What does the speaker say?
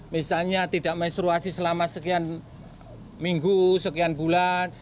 misalnya tidak menstruasi selama sekian minggu sekian bulan